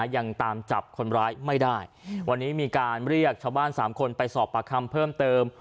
ยังตามจับคนร้ายไม่ได้วันนี้มีการเรียกชาวบ้านสามคนไปสอบประคำเพิ่มเติม